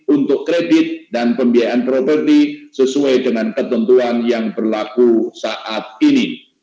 untuk kredit dan pembiayaan properti sesuai dengan ketentuan yang berlaku saat ini